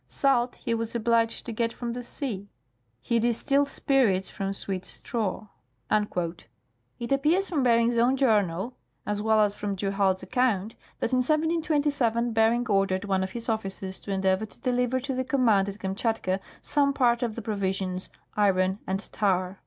Salt he was obliged to get from the sea ;he distilled spirits from ' sweet straw.' " It appears from Bering's own journal, as well as from du Halde's account, that in 1727 Bering ordered one of his officers to endeavor to " deliver to the command at Kamschatka some part of the provisions, iron, and tar."